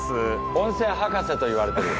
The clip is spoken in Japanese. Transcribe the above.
温泉博士といわれてる。